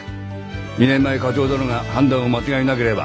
２年前課長殿が判断を間違えなければ。